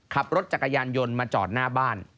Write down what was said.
ขับรถจักรยานยนต์มาจอดหน้าบ้าน